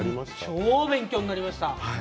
超勉強になりました。